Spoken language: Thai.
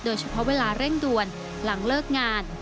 โดยเฉพาะเวลาเร่งดวนหลังเลิกงาน